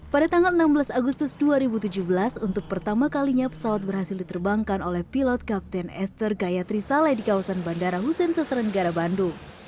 pada tanggal enam belas agustus dua ribu tujuh belas untuk pertama kalinya pesawat berhasil diterbangkan oleh pilot kapten esther gayatri saleh di kawasan bandara hussein sastra negara bandung